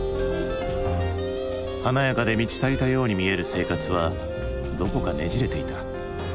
華やかで満ち足りたように見える生活はどこかねじれていた。